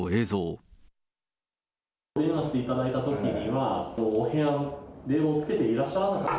お電話していただいたときには、お部屋の冷房をつけていらっしゃらなかった？